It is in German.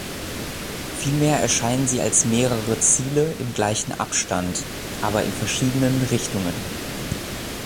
Vielmehr erscheinen sie als mehrere Ziele im gleichen Abstand, aber in verschiedenen Richtungen.